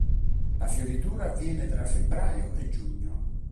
La fioritura avviene tra febbraio e giugno.